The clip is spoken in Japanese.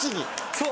そう。